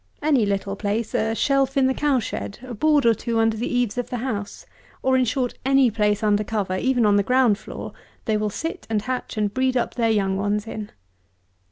Any little place, a shelf in the cow shed; a board or two under the eaves of the house; or, in short, any place under cover, even on the ground floor, they will sit and hatch and breed up their young ones in.